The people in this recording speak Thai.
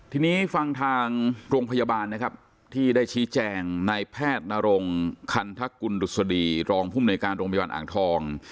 ทีนี้ฟังทางโรงพยาบาลนะครับที่ได้ชี้แจงในแพทย์นรงคันทกุลดุษฎีรองภูมิในการโรงพยาบาลอ่างทอง